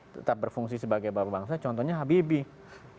tetap berfungsi sebagai bapak bangsa contohnya habibie